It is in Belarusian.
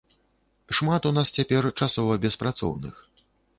Шмат у нас цяпер часова беспрацоўных.